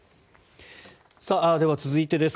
では、続いてです。